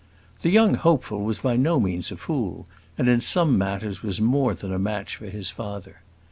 The young Hopeful was by no means a fool; and in some matters was more than a match for his father.